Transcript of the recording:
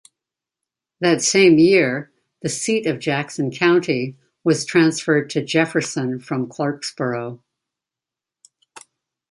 That same year, the seat of Jackson County was transferred to Jefferson from Clarkesboro.